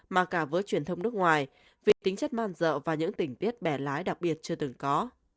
mà cả với truyền thông nước ngoài về tính chất man dợ và những tình tiết bẻ lái đặc biệt chưa từng có